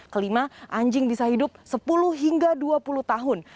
kelima anjing bisa hidup sepuluh hingga dua puluh tahun